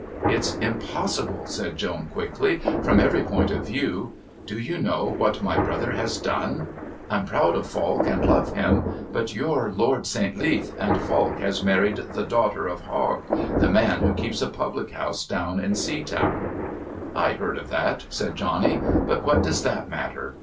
"It's impossible," said Joan quickly, "from every point of view. Do you know what my brother has done? I'm proud of Falk and love him; but you're Lord St. Leath, and Falk has married the daughter of Hogg, the man who keeps a public house down in Seatown." "I heard of that," said Johnny. "But what does that matter?